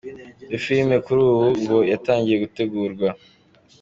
Iyo filime kuri ubu ngo yatangiye gutegurwa.